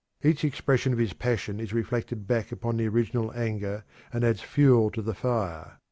Each expression of his passion is reflected back upon the original anger and adds fuel to the fire.